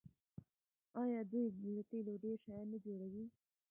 آیا دوی له تیلو ډیر شیان نه جوړوي؟